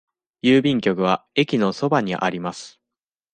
郵便局は駅のそばにあります。